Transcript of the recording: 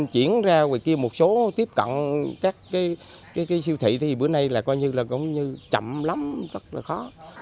chuyển ra ngoài kia một số tiếp cận các cái siêu thị thì bữa nay là coi như là cũng như chậm lắm rất là khó